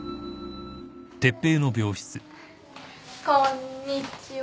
こんにちは。